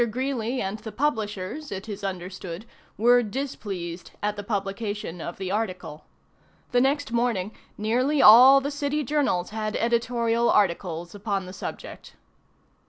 Greeley and the publishers, it is understood, were displeased at the publication of the article. The next morning nearly all the city journals had editorial articles upon the subject.